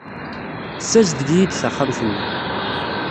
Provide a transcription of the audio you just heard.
Tessazdeg-iyi-d taxxamt-nni.